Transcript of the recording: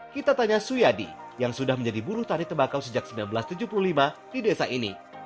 kita tanya suyadi yang sudah menjadi buru tari tembakau sejak seribu sembilan ratus tujuh puluh lima di desa ini